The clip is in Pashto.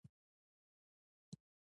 ټول خلک د یوه اور خوراک ګرځي او سوزي